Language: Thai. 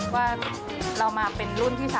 ว่าเรามาเป็นรุ่นที่๓